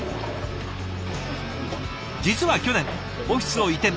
実は去年オフィスを移転。